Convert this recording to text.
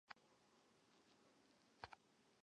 圣母玛利亚为金马刺教宗骑士团的主保圣人。